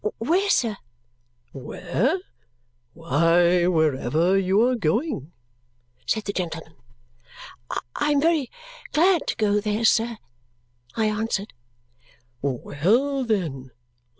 "Where, sir?" "Where? Why, wherever you are going," said the gentleman. "I am very glad to go there, sir," I answered. "Well, then!